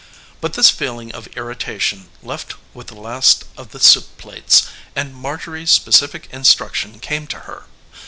But this feeling of irritation left with the last of the soup plates, and Marjorie's specific instruction came to her.